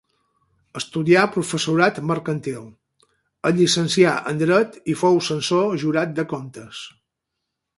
Estudià professorat mercantil, es llicencià en Dret i fou censor jurat de Comptes.